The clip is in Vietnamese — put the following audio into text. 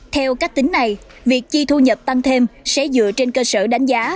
theo cách tính này việc chi thu nhập tăng thêm sẽ dựa trên cơ sở đánh giá